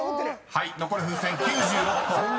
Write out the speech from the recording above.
［はい残る風船９６個］